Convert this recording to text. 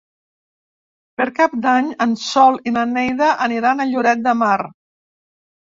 Per Cap d'Any en Sol i na Neida aniran a Lloret de Mar.